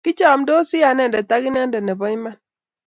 Kichamndosi anendet ak inendet nepo iman.